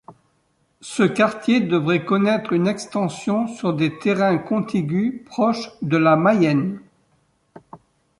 Ce quartier devrait connaître une extension sur des terrains contigus proches de la Mayenne.